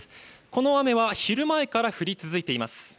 この雨は、昼前から降り続いています。